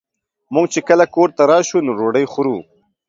مونږ چې کله کور ته راشو نو ډوډۍ خورو